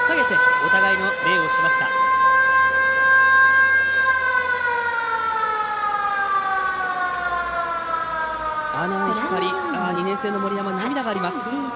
阿南光、まだ２年生の森山涙があります。